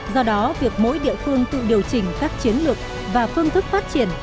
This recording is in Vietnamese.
do đó việc mỗi địa phương tự điều chỉnh các chiến lược và phương thức phát triển